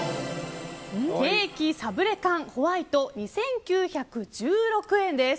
ケーキサブレ缶ホワイト２９１６円です。